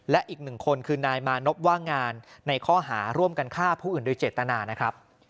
และอีกหนึ่งคนคือนายมานพว่างงานในข้อหาร่วมกันฆ่าผู้อื่นโดยเจตนานะครับ